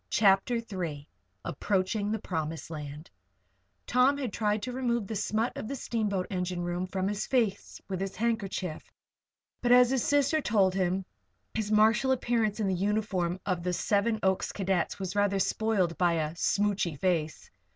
CHAPTER III APPROACHING THE PROMISED LAND Tom had tried to remove the smut of the steamboat engine room from his face with his handkerchief; but as his sister told him, his martial appearance in the uniform of the Seven Oaks cadets was rather spoiled by "a smootchy face."